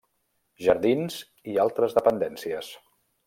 Jardins i altres dependències.